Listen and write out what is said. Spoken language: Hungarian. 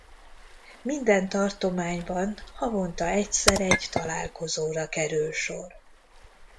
Minden tartományban havonta egyszer egy találkozóra kerül sor.